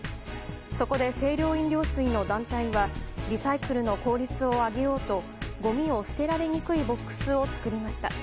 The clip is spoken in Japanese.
そこで、清涼飲料水の団体はリサイクルの効率を上げようとごみを捨てられにくいボックスを作りました。